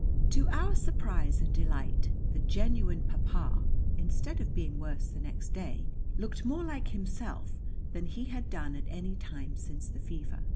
To our surprise and delight, the genuine Papa, instead of being worse the next day, looked more like himself than he had done at any time since the fever.